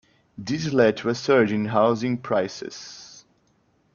This led to a surge in housing prices.